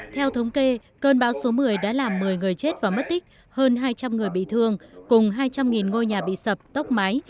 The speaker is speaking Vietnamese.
theo thống kê cơn bão số một mươi đã làm một mươi người chết và mất tích hơn hai trăm linh người bị thương cùng hai trăm linh ngôi nhà bị sập tốc mái